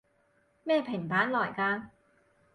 咩平板來㗎？